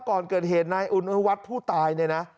ก่อนเกิดเหตุนายอุณวัฒน์ผู้ตายเนี่ยนะ